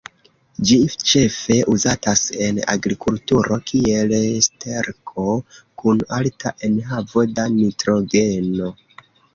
Ĝi ĉefe uzatas en agrikulturo kiel sterko kun alta enhavo da nitrogeno.